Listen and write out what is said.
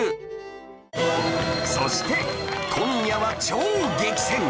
そして今夜は超激戦！